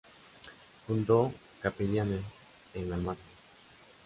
Fundó capellanía en Almarza.